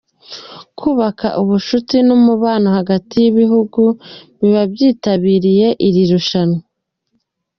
Kubaka ubushuti n’umubano hagati y’ibihugu biba byitabiriye iri rushanwa.